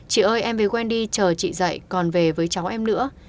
chị ơi em với wendy chờ chị dậy còn về với cháu em nữa